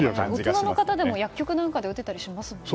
大人の方でも薬局なんかで打てたりしますもんね。